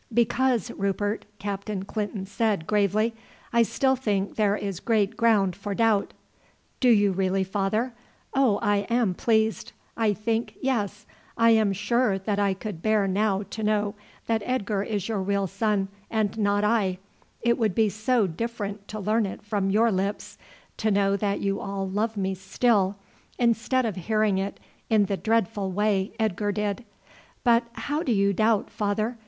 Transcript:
"Because, Rupert," Captain Clinton said gravely, "I still think there is great ground for doubt." "Do you really, father? Oh, I am pleased! I think yes, I am sure that I could bear now to know that Edgar is your real son, and not I. It would be so different to learn it from your lips, to know that you all love me still, instead of hearing it in the dreadful way Edgar did. But how do you doubt, father?